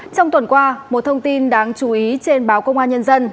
trong tuần qua một thông tin đáng chú ý trên báo công an nhân dân